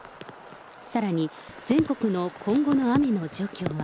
さらに、全国の今後の雨の状況は。